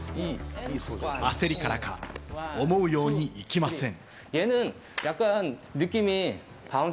焦りからか、思うようにいきません。